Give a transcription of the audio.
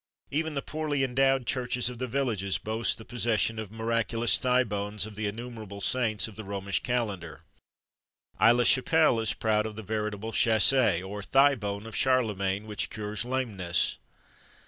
Even the poorly endowed churches of the villages boast the possession of miraculous thigh bones of the innumerable saints of the Romish calendar. Aix la Chapelle is proud of the veritable châsse, or thigh bone of Charlemagne, which cures lameness.